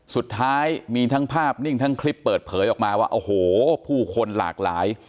สุดท้ายมีทั้งภาพนิ่งทั้งคลิปเปิดเผยออกมาว่าโอ้โหผู้คนหลากหลาย